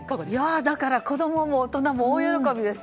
子供も大人も大喜びです。